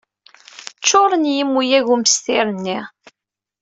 Ččuṛen yimuyag n umestir-nni.